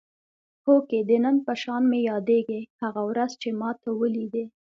هوکې د نن په شان مې یادېږي هغه ورځ چې ما ته ولیدلې.